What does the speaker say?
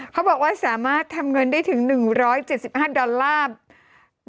เขาบอกว่าสามารถทำเงินได้ถึง๑๗๕ดอลลาร์